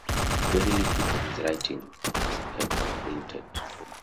Very little of his writing was ever printed.